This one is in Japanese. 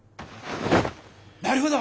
なるほど！